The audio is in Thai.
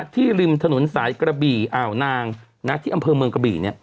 ริมถนนสายกระบี่อ่าวนางที่อำเภอเมืองกระบี่